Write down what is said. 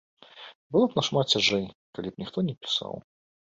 Было б нашмат цяжэй, калі б ніхто не пісаў.